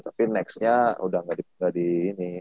tapi nextnya udah gak diberi ini